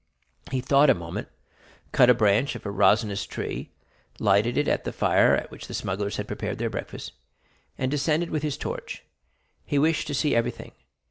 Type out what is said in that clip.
He thought a moment, cut a branch of a resinous tree, lighted it at the fire at which the smugglers had prepared their breakfast, and descended with this torch. He wished to see everything.